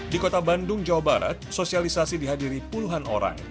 di kota bandung jawa barat sosialisasi dihadiri puluhan orang